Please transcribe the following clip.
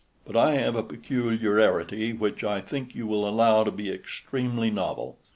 But I have a peculiarity which I think you will allow to be extremely novel.